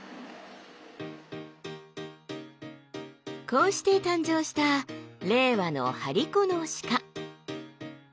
こうして誕生した令和の張り子の鹿。